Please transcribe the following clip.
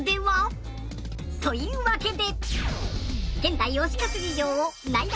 というわけで。